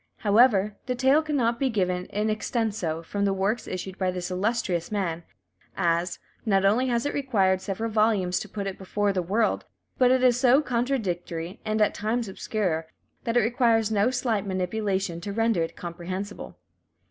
However, the tale cannot be given in extenso from the works issued by this illustrious man, as, not only has it required several volumes to put it before the world, but it is so contradictory, and at times obscure, that it requires no slight manipulation to render it comprehensible.